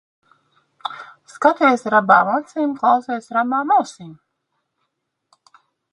Skaties ar abām acīm, klausies ar abām ausīm.